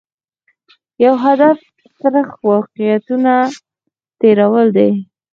یو هدف یې ترخ واقعیتونه تېرول دي.